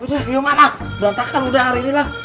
udah gimana berantakan udah hari ini lah